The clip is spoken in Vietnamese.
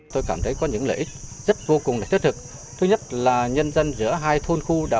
tôi cảm thấy có những lợi ích rất vô cùng là thiết thực thứ nhất là nhân dân giữa hai thôn khu